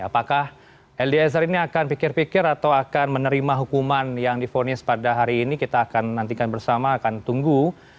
apakah eliezer ini akan pikir pikir atau akan menerima hukuman yang difonis pada hari ini kita akan nantikan bersama akan tunggu